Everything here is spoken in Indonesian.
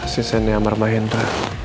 sis ini amar mahendra